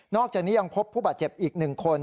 อกจากนี้ยังพบผู้บาดเจ็บอีก๑คน